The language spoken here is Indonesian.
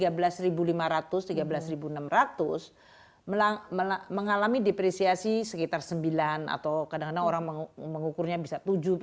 melalui mengalami depresiasi sekitar sembilan atau kadang kadang orang mengukurnya bisa tujuh puluh sembilan